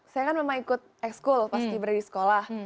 saya kan memang ikut ekskul pas kibra di sekolah